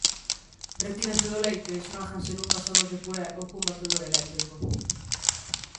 Retíranse do leite e esmáganse nun pasador de puré ou con batedor eléctrico.